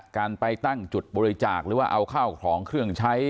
การไปตั้งจุดบริจาคหรือว่าเอาข้าวของเครื่องใช้